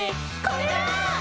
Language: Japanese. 「これだー！」